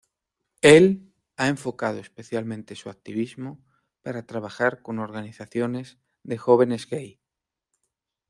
Él ha enfocado especialmente su activismo para trabajar con organizaciones de jóvenes gay.